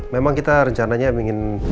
memang kita rencananya ingin